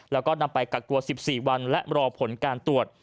แล้วก็นำไปกักตัว๑๔วันและรอผลการตรวจ